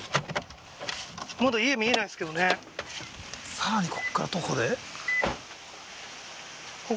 さらにこっから徒歩で？